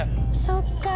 そっか。